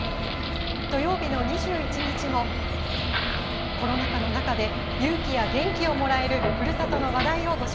土曜日の２１日もコロナ禍の中で勇気や元気をもらえるふるさとの話題をご紹介します。